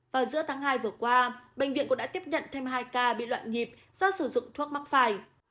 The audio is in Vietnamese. vào giữa tháng hai vừa qua bệnh viện cũng đã tiếp nhận thêm hai ca bị loạn nhịp do sử dụng thuốc mắc phải